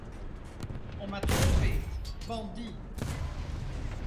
On m’a trompé! — Bandit !